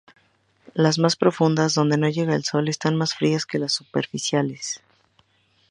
Las más profundas donde no llega el sol, están más frías que las superficiales.